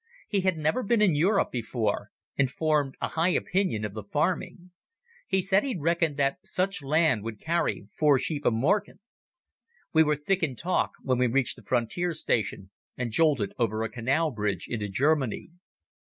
He had never been in Europe before, and formed a high opinion of the farming. He said he reckoned that such land would carry four sheep a morgen. We were thick in talk when we reached the frontier station and jolted over a canal bridge into Germany.